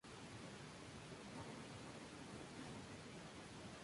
Ganó un gran número de seguidores desde el río Éufrates hasta Partia.